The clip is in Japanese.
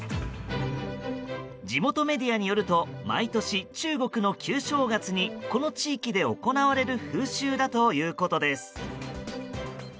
地元メディアによると毎年、中国の旧正月にこの地域で行われる風習だということです。